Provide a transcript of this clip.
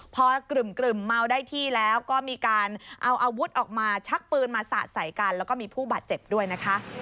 พอกรึ่มเมาได้ที่แล้วก็มีการเอาอาวุธออกมาชักปืนมาสะใส่กันแล้วก็มีผู้บาดเจ็บด้วยนะคะ